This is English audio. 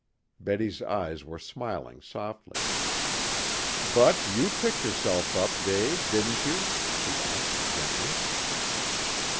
Betty's eyes were smiling softly. "But you picked yourself up, Dave, didn't you?" she asked gently.